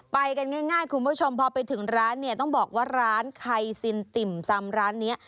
ไปกันง่ายคุณผู้ชมพอไปถึงร้านเนี่ยต้องบอกว่าร้านไคซินติ่มซำร้านนี้